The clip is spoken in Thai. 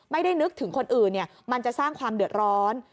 นึกถึงคนอื่นมันจะสร้างความเดือดร้อน